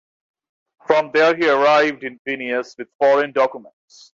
From there he arrived in Vilnius with foreign documents.